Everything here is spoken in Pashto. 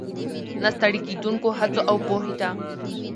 ، نه ستړې کېدونکو هڅو، او پوهې ته